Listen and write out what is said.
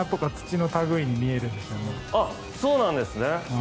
あっそうなんですね。